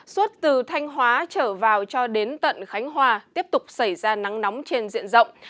suốt từ thanh hóa trở vào cho đến tận khánh hòa tiếp tục xảy ra nắng nóng trên diện rộng